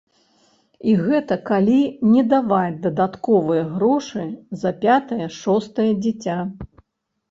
І гэта калі не даваць дадатковыя грошы за пятае-шостае дзіця.